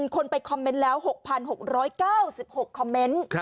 คนไปคอมเมนต์แล้ว๖๖๙๖คอมเมนต์